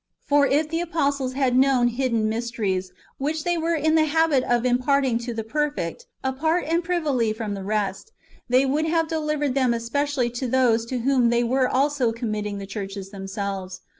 For if the apostles had known hidden mysteries, which they were in the habit of imparting to " the perfect" apart and privily from the rest, they would have delivered them especially to those to whom they were also committing the churches themselves.